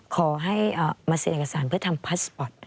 ขอให้มาเซ็นเอกสารเพื่อทำพาสปอร์ต